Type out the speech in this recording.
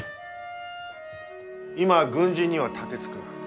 今は軍人には盾つくな。